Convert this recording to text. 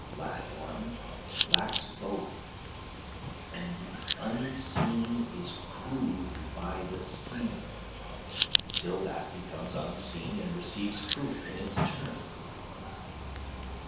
Lack one lacks both, and the unseen is proved by the seen, Till that becomes unseen and receives proof in its turn.